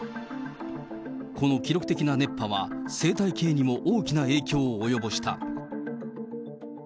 この記録的な熱波は、生態系にも大きな影響を及ぼした。